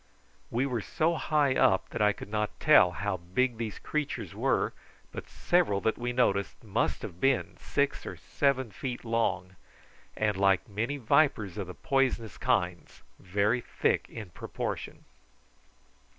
We were so high up that I could not tell how big these creatures were, but several that we noticed must have been six or seven feet long, and like many vipers of the poisonous kinds, very thick in proportion.